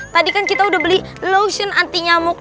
tadi kan kita udah beli lotion anti nyamuk